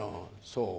そう？